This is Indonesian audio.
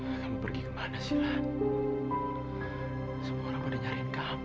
hai kamu pergi kemana silahkan semua orang pada nyari kamu